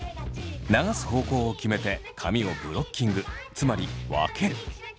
流す方向を決めて髪をブロッキングつまり分ける。